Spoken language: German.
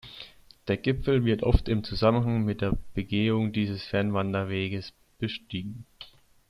Der Gipfel wird oft im Zusammenhang mit der Begehung dieses Fernwanderwegs bestiegen.